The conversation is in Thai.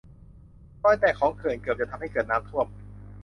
รอยแตกของเขื่อนเกือบจะทำให้เกิดน้ำท่วม